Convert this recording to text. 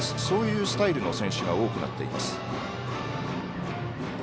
そういうスタイルの選手が多くなっています。